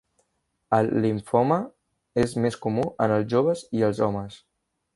El limfoma és més comú en els joves i els homes.